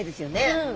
うん。